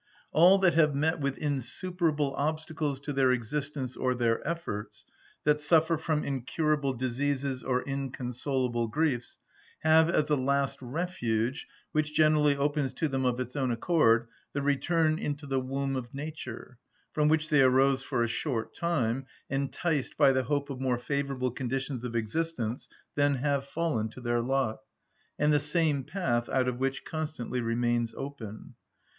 All that have met with insuperable obstacles to their existence or their efforts, that suffer from incurable diseases or inconsolable griefs, have as a last refuge, which generally opens to them of its own accord, the return into the womb of nature, from which they arose for a short time, enticed by the hope of more favourable conditions of existence than have fallen to their lot, and the same path out of which constantly remains open.